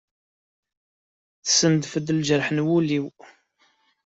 Tessendef-d lǧerḥ n wul-iw.